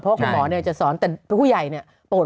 เพราะคุณหมอจะสอนแต่ผู้ใหญ่เนี่ยโปรด